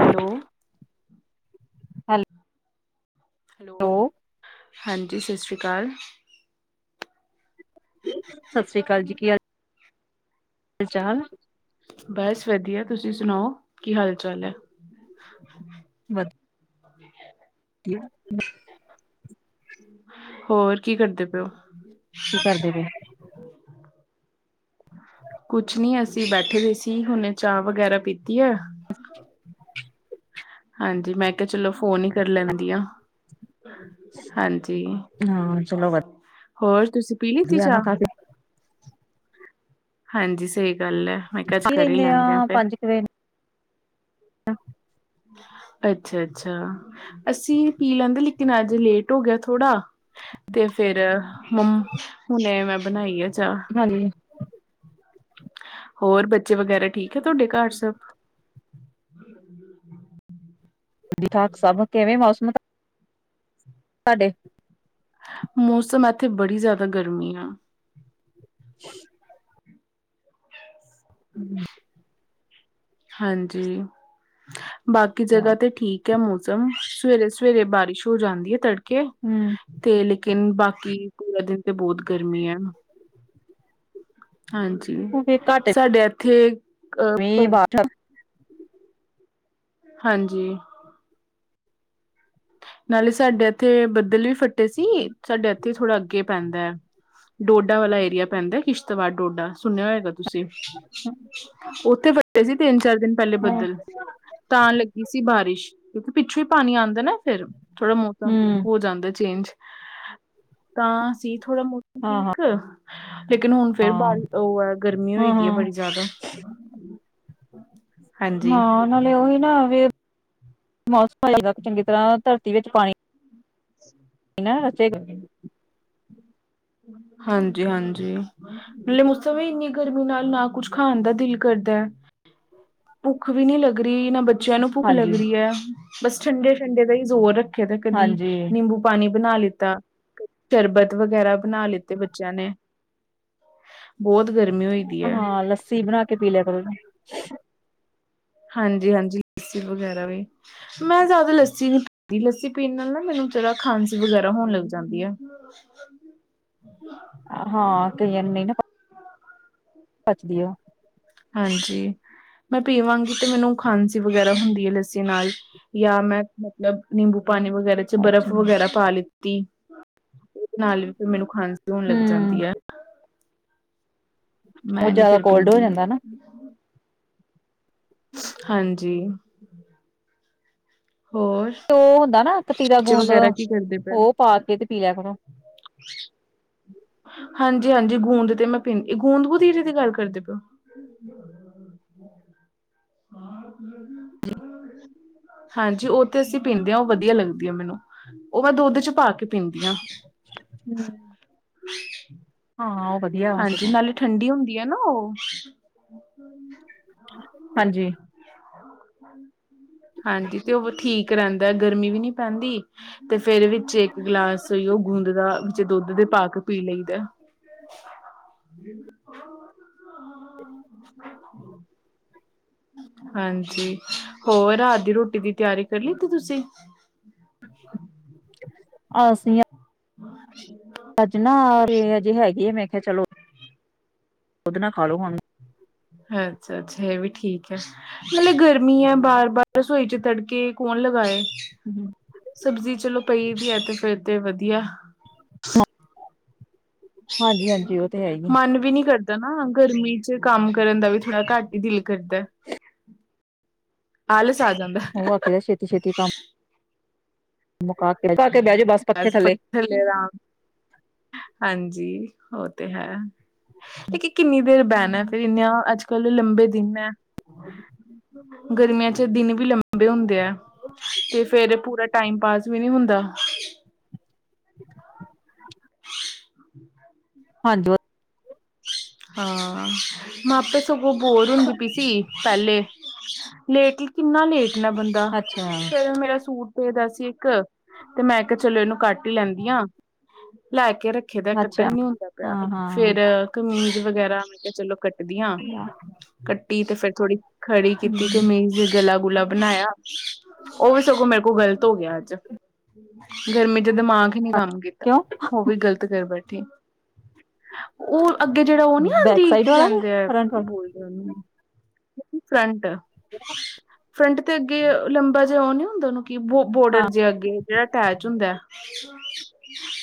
Hello, ਹੈਲ hello, ਹਾਂਜੀ ਸਸ ਰੀ ਕਾਲ। ਸਸ ਰੀ ਕਾਲ ਜੀ ਕੀ ਹਾਲ-ਚਾਲ ਬਸ ਵਦੀਆ ਤੁਸੀਂ ਸਨਾਓ ਕੀ ਹਾਲ ਚਾਲ ਐ। ਵਦ ਮੈਨੇ ਕੇ ਪਤੈ [inaudible] ਹੋਰ ਕੀ ਕਰਦੇ ਪਏ ਓਂ? ਕੀ ਕਰਦੇ ਪਏ? ਕੁਛ ਨੀ ਅਸੀਂ ਬੈਠੇ ਦੇ ਸੀ ਹੁਨੇ ਚਾਅ ਵਗੈਰਾ ਪੀਤੀ ਐ। ਹਾਂਜੀ ਮੈਂ ਕਿਆ ਚਲੋ ਫੋਨ ਈ ਕਰ ਲੈਂਦੀ ਆਂ। ਹਾਂਜੀ, ਹਾਂ ਚਲੋ ਹੋਰ ਤੁਸੀਂ ਪੀ ਲਿੱਤੀ ਵਧੀਆ ਨਾ ਚਾਅ। ਕਾਫੀ ਹਾਂਜੀ ਸਈ ਗੱਲ ਐ ਮੈਂ ਕਿਆ ਅੱਜ ਕੀ ਕਰ ਈ ਰਹਿੰਦੇ ਆ ਲੈਂਦੇ ਆਂ ਫਿਰ। ਪੰਜ ਕੁ ਵਜੇ ਅੱਛਾ-ਅੱਛਾ, ਅਸੀਂ ਪੀ ਲੈਂਦੇ ਲੇਕਿਨ ਅੱਜ ਲੇਟ ਹੋ ਗੇਆ ਥੋੜਾ। ਤੇ ਫੇਰ ਹੁ ਹੁਨੇ ਮੈਂ ਬਨਾਈ ਐ ਚਾਅ। ਹਾਂਜੀ। ਹੋਰ ਬੱਚੇ ਵਗੈਰਾ ਠੀਕ ਐ ਥੋਡੇ ਘਰ ਸਬ। [inaudible] ਠੀਕ-ਠਾਕ ਸਬ ਕਿਵੇਂ ਮੌਸਮ ਦਾ ਤਾਡੇ ਮੌਸਮ ਏਥੇ ਬੜੀ ਜ਼ਾਦਾ ਗਰਮੀ ਆ। ਹੂੰ ਹਾਂਜੀ, ਬਾਕੀ ਜਗ੍ਹਾ ਤੇ ਠੀ ਕ ਐ ਮੌਸਮ ਸਵੇਰੇ-ਸਵੇਰੇ ਬਾਰਿਸ਼ ਹੋ ਜਾਂਦੀ ਐ ਤੜਕੇ। ਹੂੰ ਤੇ ਲੇਕਿਨ ਬਾਕੀ ਪੂਰਾ ਦਿਨ ਤੇ ਬੋਤ ਗਰਮੀ ਐ। ਹਾਂਜੀ, ਉਹ ਫੇਰ ਘੱਟ ਸਾਡੇ ਏਥੇ ਅ ਭੋ [inaudible] ਹਾਂਜੀ। ਨਾਲੇ ਸਾਡੇ ਏਥੇ ਬੱਦਲ ਵੀ ਫੱਟੇ ਸੀ, ਸਾਡੇ ਏਥੇ ਥੋੜ੍ਹਾ ਅੱਗੇ ਪੈਂਦਾ ਐ ਡੋਡਾ ਵਾਲਾ ਏਰੀਆ ਪੈਂਦਾ ਕਿਸ਼ਤਵਾੜ ਡੋਡਾ ਸੁਨੇਆ ਹੋਏਗਾ। ਤੁਸੀਂ, ਹੂੰ, ਓਥੇ ਫਟੇ ਸੀ ਤਿੰਨ ਚਾਰ ਦਿਨ ਪੈਲੇ ਹੂੰ, ਬੱਦਲ। ਤਾਂ ਲੱਗੀ ਸੀ ਬਾਰਿਸ਼, ਕਿਓਂਕਿ ਪਿੱਛੋਂ ਈ ਪਾਨੀ ਆਂਦਾ ਨਾ ਫੇਰ। ਥੋੜਾ ਮੌਸਮ ਹਾਂ, ਹੋ ਜਾਂਦਾ ਚੇਂਜ, ਤਾਂ ਅਸੀਂ ਥੋੜਾ ਮੋ ਹਾਂ, ਹਾਂ, ਠੀਕ ਐ, ਲੇਕਿਨ ਹੁਣ ਫੇਰ ਬਾਰੀ ਹਾਂ, ਓ ਐ ਗਰਮੀ ਹੋਈ ਦੀ ਐ ਹਾਂ। ਬੜੀ ਜ਼ਾਦਾ। [inaudible] ਹਾਂ ਨਾਲੇ ਓਈ ਨਾ ਵੀ ਮੌਸਮ ਆਏਗਾ ਚੰਗੀ ਤਰ੍ਹਾਂ ਧਰਤੀ ਵਿੱਚ ਪਾਨੀ ਨਾ ਰਚੇਗਾ ਪਾਨੀ। ਹਾਂਜੀ ਹਾਂਜੀ ਪ ਮੌਸਮ ਵੀ ਇੰਨੀ ਗਰਮੀ ਨਾਲ ਨਾ ਕੁੱਝ ਖਾਣ ਦਾ ਦਿਲ ਕਰਦਾ ਹੈ ਭੁੱਖ ਵੀ ਨੀ ਲੱਗ ਰਹੀ ਇਹਨਾਂ ਬੱਚ ਬੱਚਿਆਂ ਨੂੰ ਭੁੱਖ ਹਾਂਜੀ, ਲੱਗ ਰਹੀ ਹੈ ਬਸ ਠੰਡੇ ਠੰਡੇ ਦਾ ਹੀ ਜ਼ੋਰ ਰੱਖੇ ਦਾ ਕਦੀ ਹਾਂਜੀ, ਨਿੰਬੂ ਪਾਣੀ ਬਣਾ ਲਿੱਤਾ ਸ਼ਰਬਤ ਵਗੈਰਾ ਬਣਾ ਲਿੱਤੇ ਬੱਚਿਆਂ ਨੇ ਬਹੁਤ ਗਰਮੀ ਹੋਈ ਦੀ ਹੈ ਹਾਂ ਲੱਸੀ ਬਣਾ ਕੇ ਪੀ ਲਿਆ ਕਰੋ ਹਾਂਜੀ ਹਾਂਜੀ ਲੱਸੀ ਵਗੈਰਾ ਵੀ ਮੈਂ ਜ਼ਿਆਦਾ ਲੱਸੀ ਪੀ ਲੱਸੀ ਪੀਣ ਨਾਲ ਨਾ ਮੈਨੂੰ ਜਰਾ ਖਾਂਸੀ ਵਗੈਰਾ ਹੋਣ ਲੱਗ ਜਾਂਦੀ ਹੈ ਹਾਂ ਕਈਆਂ ਨੂੰ ਨਹੀਂ ਨਾ ਪੱਚਦੀ ਆ ਹਾਂਜੀ ਮੈਂ ਪੀਵਾਂਗੀ ਤੇ ਮੈਨੂੰ ਖਾਂਸੀ ਵਗੈਰਾ ਹੁੰਦੀ ਹੈ ਲੱਸੀ ਜੇ ਨਾਲ ਜਾਂ ਮੈਂ ਮਤਲਬ ਨਿੰਬੂ ਪਾਣੀ ਵਗੈਰਾ ਚ ਬਰਫ਼ ਅੱਛਾ। ਵਗੈਰਾ ਪਾ ਲਿੱਤੀ ਉਹਦੇ ਨਾਲ ਵੀ ਫਿਰ ਮੈਨੂੰ ਖਾਂਸੀ ਹੋਣ ਲੱਗ ਹੂੰ, ਜਾਂਦੀ ਹੈ ਉਹ ਮੈਂ ਨੀ ਜਿਆਦਾ ਫਿਰ ਕੋਲਡ ਹੋ ਪੀਂਦੀ ਜਾਂਦਾ ਨਾ ਹਾਂਜੀ ਹੋਰ ਤੇ ਉਹ ਹੁੰਦਾ ਨਾ ਕਤੀਰਾ ਬੱਚੇ ਗੂੰਦ ਵਗੈਰਾ ਕੀ ਕਰਦੇ ਪਏ ਉਹ ਪਾ ਕੇ ਤੇ ਪੀ ਲਿਆ ਕਰੋ ਹਾਂਜੀ ਹਾਂਜੀ ਗੂੰਦ ਤੇ ਮੈਂ ਪੀਦੀ ਗੂੰਦ ਕਤੀਰੇ ਦੀ ਗੱਲ ਕਰਦੇ ਪਓ ਹਾਂ ਹਾਂਜੀ ਉਹ ਤੇ ਅਸੀਂ ਪੀਂਦੇ ਹਾਂ ਉਹ ਵਧੀਆ ਲੱਗਦੀ ਹੈ ਮੈਨੂੰ ਉਹ ਮੈਂ ਦੁੱਧ ਚ ਪਾ ਕੇ ਪੀਂਦੀ ਹਾਂ ਹਮ ਠੀਕ ਹਾਂ ਉਹ ਵਧੀਆ ਹਾਂਜੀ ਨਾਲੇ ਠੰਡੀ ਹੁੰਦੀ ਆ ਨਾ ਉਹ ਹਾਂਜੀ ਹਾਂਜੀ ਤੇ ਉਹ ਠੀਕ ਰਹਿੰਦਾ ਗਰਮੀ ਵੀ ਨਹੀਂ ਪੈਂਦੀ ਤੇ ਫੇਰ ਵਿੱਚ ਇੱਕ ਗਲਾਸ ਉਹ ਗੂੰਦ ਦਾ ਵਿੱਚ ਦੁੱਧ ਦੇ ਪਾ ਕੇ ਪੀ ਲਈਦਾ ਹ ਹਾਂਜੀ ਹੋਰ ਰਾਤ ਦੀ ਰੋਟੀ ਦੀ ਤਿਆਰੀ ਕਰ ਲਿੱਤੀ ਤੁਸੀਂ ਅਸੀ ਹਾਂ ਅੱਜ ਨਾ ਅਜੇ ਹੈਗੇ ਆ ਮੈਂ ਕਿਹਾ ਚਲੋ ਉਹਦੇ ਨਾਲ ਖਾਲੋ ਹੁਣ ਅੱਛਾ ਅੱਛਾ ਇਹ ਵੀ ਠੀਕ ਹੈ ਮਤਲਬ ਗਰਮੀ ਹੈ ਬਾਰ ਬਾਰ ਰਸੋਈ ਚ ਤੜਕੇ ਕੌਣ ਲਗਾਏ ਹਮ ਸਬਜ਼ੀ ਚਲੋ ਪਈ ਵੀ ਹੈ ਤੇ ਫਿਰ ਤੇ ਵਧੀਆ ਹਾਂਜੀ-ਹਾਂਜੀ, ਉਹ ਤੇ ਹੈ ਹੀ ਆ ਮਨ ਵੀ ਨਹੀਂ ਕਰਦਾ ਨਾ ਗਰਮੀ ਚ ਕੰਮ ਕਰਨ ਦਾ ਵੀ ਥੋੜਾ ਘੱਟ ਹੀ ਦਿਲ ਕਰਦਾ ਆਲ ਆ ਜਾਂਦਾ ਕਹਿੰਦਾ ਛੇਤੀ ਛੇਤੀ ਕੰਮ ਮੁਕਾ ਕੇ ਮੁਕਾ ਕੇ ਬਹਿ ਜਾਓ ਬਸ ਪੱਖੇ ਥੱਲੇ ਥੱਲੇ ਰਾਮ ਹਾਂਜੀ ਉਹ ਤੇ ਹੈ। ਕਿੰਨੀ ਦੇਰ ਬਹਿਣਾ ਫਿਰ ਇੰਨਾ ਅੱਜ ਕੱਲ ਲੰਬੇ ਦਿਨ ਹੈ। ਗਰਮੀਆਂ ਚ ਦਿਨ ਵੀ ਲੰਬੇ ਹੁੰਦੇ ਹੈ। ਤੇ ਫਿਰ ਪੂਰਾ ਟਾਈਮ ਪਾਸ ਵੀ ਨਹੀਂ ਹੁੰਦਾ। [unintelligible] ਹਾਂਜੀ ਹਾਂ ਮਾਪੇ ਸਗੋਂ ਬੋਰ ਹੁੰਦੀ ਪਈ ਸੀ। ਪਹਿਲੇ ਲੇਟ ਕਿੰਨਾ ਲੇਟ ਨਾ ਬੰਦਾ ਅੱਛਾ-ਅੱਛਾ, ਫਿਰ ਮੇਰਾ ਸੂਟ। ਪਦਾ ਸੀ ਇੱਕ, ਤੇ ਮੈਂ ਕਿਹਾ ਚਲੋ ਇਹਨੂੰ ਕੱਟ ਹੀ ਲੈਂਦੀ ਹਾਂ, ਲੈ ਕੇ ਰੱਖ। ਦਾ ਕੱਟਣ ਨੀ ਹੁੰਦਾ ਪਿਆ, ਹਾਂ-ਹਾਂ, ਫੇਰ ਕਮੀਜ਼ ਵਗੈਰਾ ਮੈਂ ਕਿਹਾ ਚਲੋ ਕੱਟ ਦੀਆਂ, ਕੱਟੀ ਤੇ ਫੇਰ ਥੋੜੀ ਖੜੀ ਕੀਤੀ ਹੂੰ। ਕਮੀਜ, ਗਲਾ ਗੁਲਾ ਬਣਾਇਆ, ਉਹ ਵੀ ਸਗੋਂ ਮੇਰੇ ਕੋਲ ਗ਼ਲਤ ਹੋ ਗਿਆ ਅੱਜ, ਗਰਮੀ ਚ ਦਿਮਾਗ, ਨੀ ਕੰਮ ਕੀਤਾ ਕਿਉਂ ਉਹ ਵੀ ਗ਼ਲਤ ਕਰ ਬੈਠੀ। ਉਹ ਅੱ, ਜਿਹੜਾ ਉਹ ਨੀ ਬੈਕ ਆਉਂਦੀ ਸਾਈਡ ਕੀ ਵਾਲਾ ਕੇ ਕਹਿੰਦੇ ਆ ਫਰੰਟ ਕੀ ਵਾਲਾ ਬੋਲਦੇ ਉਹਨੂੰ, ਫਰੰਟ ਹ [unintelligible] ਫਰੰਟ ਤੇ ਅੱਗੇ ਲੰਬਾ ਜਿਹਾ ਉਹ ਨੀ ਹੁੰਦਾ ਉਹਨੂੰ, ਕਿ ਬ, ਬੋਰਡਰ ਜੇ ਅੱਗੇ ਜਿਹੜਾ ਅਟੈਚ ਹੁੰਦਾ।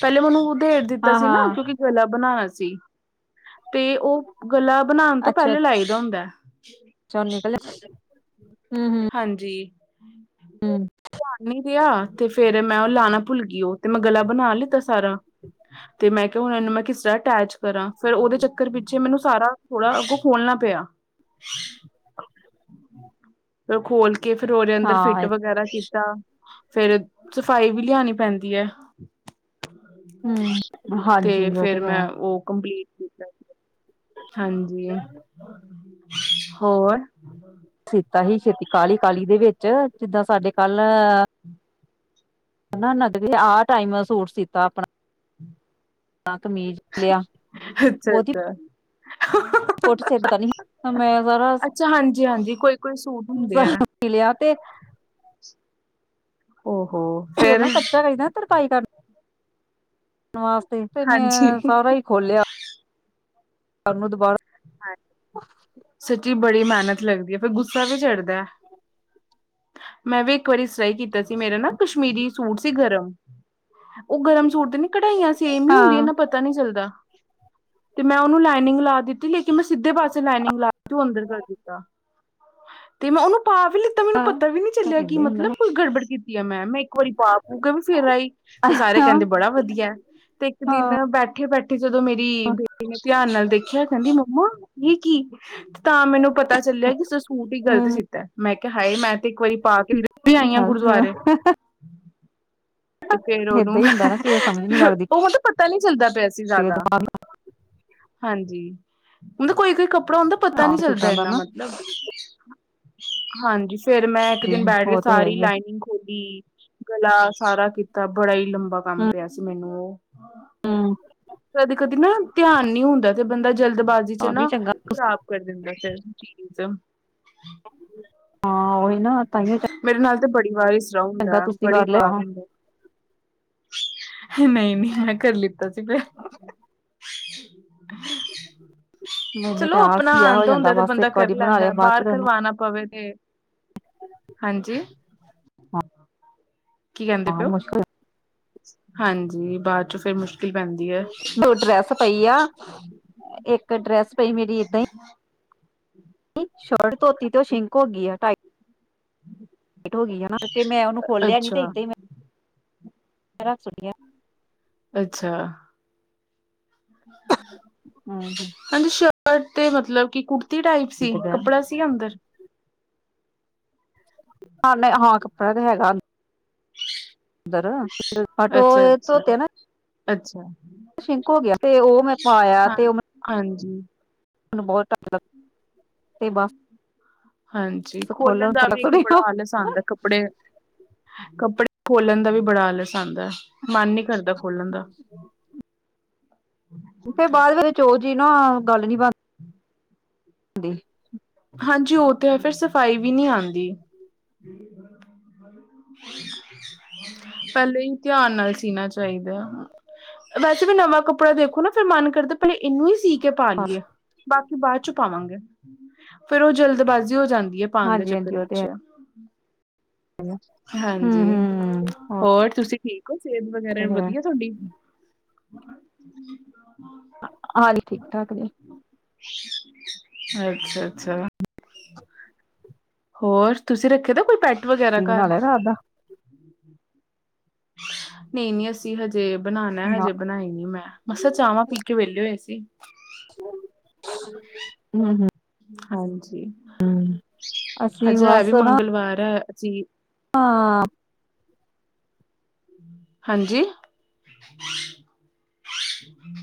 ਪਹਿਲੇ ਮੈਨੂੰ ਉਦੇ, ਦਿੱਤਾ ਸੀ ਨਾ ਹਾਂ-ਹਾਂ-ਹਾਂ, ਕਿਉਂਕਿ ਗਲਾ ਬਣਾਇਆ ਸੀ, ਤੇ ਉਹ ਗਲਾ ਬਣਾਉਣ ਤੋਂ ਪਹਿਲੇ ਲਾਈ ਦਾ ਹੁੰਦਾ, ਚੋ ਨਿਕਲੇ ਹੂੰ, ਹਾਂਜੀ ਹੂੰ, ਧਿਆਨ ਨੀ ਰਿਹਾ, ਤੇ ਫੇਰ, ਮੈਂ ਉਹ ਲਾਣਾ ਭੁੱਲ ਗਈ, ਉਹ ਤੇ ਮੈਂ ਗਲਾ ਬਣਾ ਲਿੱਤਾ ਸਾਰਾ। ਤੇ ਮੈਂ ਕਿਹਾ ਹੁਣ ਇਹਨੂੰ ਮੈਂ ਕਿਸ ਤਰ੍ਹਾਂ ਅਟੈਚ ਕਰਾਂ ਫਿਰ ਉਹਦੇ ਚੱਕਰ ਪਿੱਛੇ ਮੈਨੂੰ ਸਾਰਾ ਥੋੜਾ ਅੱਗੋਂ ਖੋਲਣਾ ਪਿਆ। ਹਾਂ [unintelligible] ਹ [unintelligible] ਫਿਰ ਉਹ ਖੋਲ ਕੇ ਫਿਰ ਉਹਦੇ ਅੰਦਰ ਹਾਂ ਫਿੱਟ ਵਗੈਰਾ ਕੀਤਾ, ਫੇਰ ਸਫ਼ਾਈ ਵੀ ਲਿਆਉਣੀ ਪੈਂਦੀ ਹੈ, ਹਮ ਤੇ ਹਾਂਜੀ ਉਹ ਫਿਰ ਹੈ ਮੈਂ ਉਹ ਕੰਪਲੀਟ, ਹਾਂਜੀ ਹੋਰ ਸੀਤਾ ਹੀ ਛੇਤੀ ਕਾਹਲੀ ਕਾਹਲੀ ਦੇ ਵਿੱਚ ਜਿੱਦਾਂ ਸਾਡੇ ਕੱ, ਲ ਨਗਦੀ ਆਹ ਟਾਈਮ ਸੂਟ ਸੀਤਾ ਆਪਣਾ ਕਮੀਜ਼, ਲਿਆ ਅੱਛਾ ਅੱਛਾ,, ਫੋਟੋ ਸੇ ਪਤਾ ਨੀ ਮੈਂ ਸਾਰ, ਅੱਛਾ ਹਾਂਜੀ ਹਾਂਜੀ ਕੋਈ ਕੋਈ ਸੂਟ ਹੁੰਦੇ ਆ। ਮਿਲਿਆ ਤੇ, ਓਹੋ ਤੇ ਉਹ ਫੇਰ ਨਾ ਕੱਚਾ ਰਹਿੰਦਾ ਨਾ ਤਰਪਾਈ ਕਰ, ਵਾਸਤੇ ਤੇ ਹਾਂਜੀ। ਮੈਂ ਸਾਰਾ ਹੀ ਖੋਲਿਆ ਸਾਨੂੰ ਦੁਬਾਰਾ, ਸੱਚੀ ਬੜੀ ਮਿਹਨਤ ਲੱਗਦੀ ਹੈ ਫਿਰ ਗੁੱਸਾ ਵੀ ਚੜਦਾ। ਮੈਂ ਵੀ ਇੱਕ ਵਾਰੀ ਸਲਾਈ ਕੀਤਾ ਸੀ, ਮੇਰਾ ਨਾ ਕਸ਼ਮੀਰੀ ਸੂਟ ਸੀ ਗਰਮ, ਉਹ ਗਰਮ ਸੂਟ ਤੇ ਨ ਕਢਾਈਆਂ ਸੇਮ ਹੀ ਹੁੰਦੀਆਂ ਹਾਂ ਨਾ ਪ ਪਤਾ ਨਹੀਂ ਚੱਲਦਾ ਤੇ ਮੈਂ ਉਹਨੂੰ ਲਾਈਨਿੰਗ ਲਾ ਦਿੱਤੀ। ਕਿ ਮੈਂ ਸਿੱਧੇ ਪਾਸੇ ਲਾਈਨਿੰਗ ਲਾ ਤੂੰ ਅੰਦਰ ਕਰ ਦਿੱਤਾ ਤੇ ਮੈਂ ਉਹਨੂੰ ਪਾ ਵੀ ਲਿੱ, ਤਾਂ ਮੈਨੂੰ ਹਾਂ ਪਤਾ ਵੀ ਨੀ ਹਮ ਚੱਲਿਆ ਕਿ ਏਦਾਂ ਮਤਲਬ ਕੋਈ ਗੜਬੜ ਕੀਤੀ ਹੈ ਮੈਂ ਮੈਂ, ਇੱਕ ਵਾਰੀ ਪਾ ਪੂ ਕੇ ਵੀ ਫਿਰ ਆਈ ਤੇ ਸਾਰੇ ਕਹਿੰਦੇ ਬੜਾ ਵਧੀਆ। ਤੇ ਇੱਕ ਦਿਨ ਬੈਠੇ ਬੈਠੇ, ਜਦੋਂ ਮੇਰੀ ਬੇਟੀ ਨੇ ਧਿਆਨ ਨਾਲ ਦੇਖਿਆ ਕਹਿੰਦੀ ਮੰਮਾ! ਇਹ ਕੀ, ਤਾਂ ਮੈਨੂੰ ਪਤਾ ਚੱਲਿਆ ਕਿ ਸੂਟ ਹੀ ਗ਼ਲਤ ਸੀਤਾ ਮੈਂ ਕਿਹਾ ਹਾਏ ਮੈਂ ਤੇ ਇੱਕ ਵਾਰੀ ਪਾ ਕੇ! ਹੁਣੀ ਆਈ ਆ ਗੁਰਦੁਆਰੇ, ਤੇ ਫੇਰ ਉਹਨੂੰ ਹੀ ਹੁੰਦਾ ਨਾ ਕਿ ਸਮਝ ਨੀ ਲੱਗਦੀ ਉਹ ਤਾਂ ਪਤਾ ਨੀ ਚੱਲਦਾ ਪਿਆ ਸੀ ਕਿ ਜ਼ਿਆਦਾ, ਦਿਮਾਗ ਹਾਂਜੀ, ਹੁੰਦਾ ਕੋਈ ਕੋਈ ਕੱਪੜਾ ਹੁੰਦਾ ਪਤਾ ਹਾਂ ਨੀ ਚੱਲਦਾ ਸੂਟਾਂ ਦਾ ਐਨਾ ਨਾ ਮਤਲਬ, ਹਾਂਜੀ, ਫੇਰ ਮੈਂ ਇੱਕ ਜੀ ਦਿਨ ਬੈਠ ਕੇ ਉਹ ਤੇ ਹੈ ਸਾਰੀ ਹੀ ਆ ਲਾਈਨਿੰਗ ਖੋਲੀ ਗਲਾ ਸਾਰਾ ਕੀਤਾ ਬੜਾ ਈ ਲੰਬਾ ਕੰਮ ਪਿਆ ਸੀ ਮੈਨੂੰ ਓ, ਹੂੰ ਕਦੀ ਕਦੀ ਨਾ ਧਿਆਨ ਨੀ ਹੁੰਦਾ ਤੇ ਬੰਦਾ ਜਲਦਬਾਜ਼ੀ, ਚ ਆ ਵੀ ਨਾ ਚੰਗਾ ਖ਼ਰਾਬ ਕਰ ਦਿੰਦਾ ਫਿਰ ਚੀਜ਼, ਹਾਂ, ਉਹੀ ਨਾ ਤਾਂਹੀਓ, ਮੇਰੇ ਨਾਲ ਤੇ ਬੜੀ ਵਾਰ ਇਸ ਤਰ੍ਹਾਂ ਚੰਗਾ ਹੁੰਦਾ ਤੁਸੀਂ ਬੜੀ ਕਰ ਲਿਆ ਵਾਰ ਹੁੰਦਾ, ਨਹੀਂ ਨਹੀਂ, ਮੈਂ ਕਰ ਲਿੱਤਾ ਸੀ ਫਿਰ, ਮੈਨੂੰ ਚਲੋ ਤੇ ਆਪਣਾ ਆਲਸ ਜਿਹਾ ਹੋ ਆਂਦਾ ਜਾਂਦਾ ਹੁੰਦਾ ਤੇ ਬਸ ਬੰਦਾ ਇੱਕ ਕਰ ਵਾਰੀ ਬਣਾ ਲੈਂਦਾ ਲਿਆ ਬਾਅਦ ਬਾਰ ਚ ਤੈਨੂੰ ਕਰਵਾਣਾ ਪਵੇ ਤੇ, ਹਾਂਜੀ, ਕੀ ਕਹਿੰਦੇ ਹਾਂ ਪਏ ਓ ਮੁਸ਼ਕਿਲ ਹਾਂਜੀ ਬਾਚੋ ਫਿਰ ਮੁਸ਼ਕ ਦੋ ਡਰੈਸ ਪਈ ਆ ਇੱਕ ਡਰੈਸ ਪਈ ਮੇਰੀ ਏਦਾਂ ਈ। ਸ਼ਰਟ ਧੋਤੀ ਤੋਂ ਸ਼ਿੰਕ ਹੋਗੀ ਆ ਟਾਇਟ ਹੋਗੀ ਆ ਨਾ ਕਿਉਂਕਿ ਮੈਂ ਉਹਨੂੰ ਖੋਲਿਆ ਨੀ ਤੇ ਅੱਛਾ ਏਦਾਂ ਈ ਮੈਂ ਰਾਤ ਸੁ ਅੱਛਾ। ਹੂੰ, ਹਾਂਜੀ, ਸ਼ਰਟ ਤੇ ਮਤਲਬ ਕਿ ਕੁੜਤੀ ਟਾਈਪ ਸੀ ਕੱਪੜਾ ਸੀ ਅੰਦਰ। ਹਾਂ ਹਾਂ, ਕੱਪੜਾ ਤੇ ਹੈਗਾ ਅੰ ਦਰ ਅੱਛਾ [unintelligible] ਅੱਛਾ ਧੋਤੇ ਆ ਨਾ। ਅੱਛਾ। ਸ਼ਿੰਕ ਹੋਗਿਆ ਤੇ ਓ ਮੈਂ ਪਾਇਆ ਹਾਂ ਤੇ ਓ ਹਾਂਜੀ। ਮੈਨੂੰ ਬਹੁਤ ਟਾਈਮ ਲੱਗਦਾ ਤੇ [unintelligible] ਹਾਂਜੀ, ਖੋਲਣ ਦਾ ਵੀ ਤੱਕ ਇੱਕ ਬੜਾ ਰਿਹਾ। ਆਲਸ, ਆਂਦਾ ਕੱਪੜੇ ਕੱਪੜੇ ਖੋਲਣ ਦਾ ਵੀ ਬੜਾ ਆਲਸ। ਆਂਦਾ ਮਨ ਨੀ ਕਰਦਾ ਖੋਲਣ ਦਾ। ਫਿਰ ਬਾਅਦ ਵਿੱਚ ਓਹੀ ਜੀ ਨਾ ਗੱਲ ਨੀ ਬਣ ਦੀ। ਹਾਂਜੀ ਓ ਤੇ ਹੈ ਫੇਰ ਸਫ਼ਾਈ ਵੀ ਨੀ ਆਂਦੀ। [inaudible] ਪਹਿਲੇ ਹੀ ਧਿਆਨ ਨਾਲ ਸੀਣਾ ਚਾਹੀਦਾ। ਵੈਸੇ ਵੀ ਨਵਾਂ ਕੱਪੜਾ ਦੇਖੋ ਨਾ ਫੇਰ ਮਨ ਕਰਦਾ ਪਹਿਲੇ ਇਹਨੂੰ ਈ ਸੀ ਕੇ ਪਾ ਲਈ ਏ। ਬਾਕੀ ਬਾਂਚੋ ਪਾਵਾਂਗੇ। ਫੇਰ ਓ ਜਲਦਬਾਜ਼ੀ ਹੋ ਜਾਂਦੀ ਐ ਪਾਣ ਦੇ ਹਾਂਜੀ ਚੱਕਰ ਹਾਂਜੀ ਉਹ ਤੇ ਵਿੱਚ। ਹੈ ਹੂੰ ਹਾਂਜੀ, ਹੂੰ ਉਹ ਹੋਰ ਤੁਸੀਂ ਠੀਕ ਸਿਹਤ ਵਗੈਰਾ ਤੇ ਐਨ ਹੈ। ਵਧੀਆ ਤੁਹਾਡੀ? ਹਾਂਜੀ, ਠੀਕ ਠਾਕ ਜੀ। ਅੱਛਾ ਅੱਛਾ। ਹੋਰ ਤੁਸੀਂ ਰੱਖੇ ਦਾ ਕੋਈ ਪੈਟ ਵਗੈਰਾ ਤੁਸੀਂ ਘਰ। ਬਣਾ ਲਿਆ ਰਾਤ ਦਾ ਨਹੀਂ ਨੀ ਅਸੀਂ ਹਜੇ। ਤੇ ਬਣਾਣਾ ਨਾ ਹਜੇ ਬਣਾਈ ਨੀ ਮੈਂ ਮਸਾ ਚਾਵਾਂ ਪੀ ਕੇ ਵਿਹਲੇ ਹੋਏ ਸੀ। ਹੂੰ ਹੂੰ, ਹਾਂਜੀ ਹੂੰ ਅਸੀਂ ਅੱਜ ਹੈ ਵੀ ਮੰਗਲਵਾਰ ਐ ਅਸੀਂ। ਹਾਂ। ਹਾਂਜੀ।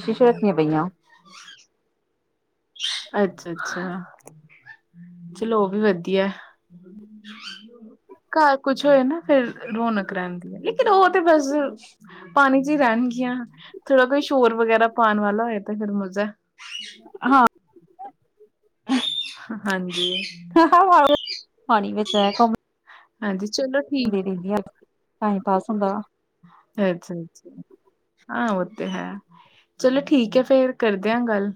ਸ਼ੀਸੀ਼ ਰੱਖੀਆਂ ਪਈਆਂ। ਅੱਛਾ-ਅੱਛਾ। ਚਲੋ, ਓ ਵੀ ਵਧੀਆ ਘਰ ਕੁਛ ਹੋਏ ਨਾ ਫਿਰ। ਰੌਨਕ ਰੈਂਦੀ ਹੈ ਲੇਕਿਨ ਓ ਤੇ ਬਸ ਪਾਣੀ ਚ ਹੀ ਰੈਣਗੀਆਂ। ਥੋੜ੍ਹਾ ਕੋਈ ਸ਼ੋਰ ਵਗੈਰਾ ਪਾਉਣ ਵਾਲਾ ਹੋਇ ਤੇ ਫੇਰ ਮੁਜ਼ਾ ਹਾਂ। ਹਾਂਜੀ। ਪਾਣੀ ਵਿੱਚ ਹੈਆ ਘਮ ਹਾਂਜੀ, ਚਲੋ ਠੀਕ। ਟਾਈਮ ਪਾਸ ਹੁੰਦਾ। ਅੱਛਾ। ਹਾਂ ਓਤੇ ਹੈ ਚਲੋ ਠੀਕ ਹੈ ਫੇਰ ਕਰਦੇਆਂ ਗੱਲ।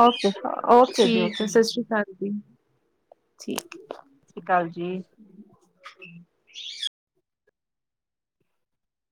ਓਕੇ-ਓਕੇ ਜੀ ਠੀਕ ਓਕੇ। ਹੈ ਸਤਿ ਸ੍ਰੀ ਅਕਾਲ ਜੀ। ਠੀਕ ਸ ਸ਼੍ਰੀ ਅਕਾਲ ਜੀ। ਹੂੰ।